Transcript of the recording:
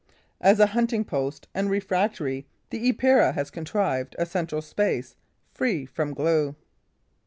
As a hunting post and refectory, the Epeira has contrived a central space, free from glue.